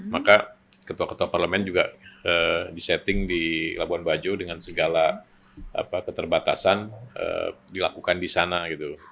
maka ketua ketua parlemen juga di setting di labuan bajo dengan segala keterbatasan dilakukan di sana gitu